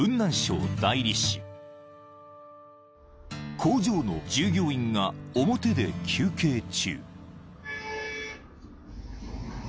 ［工場の従業員が表で休憩中］